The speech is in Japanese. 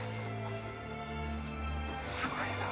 すごいな。